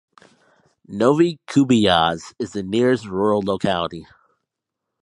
Novy Kubiyaz is the nearest rural locality.